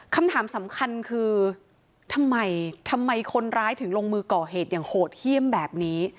คำถามสำคัญคือทำไมทำไมคนร้ายถึงลงมือก่อเหตุอย่างโหดเยี่ยมแบบนี้